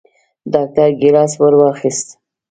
ډاکتر ګېلاس ورواخيست.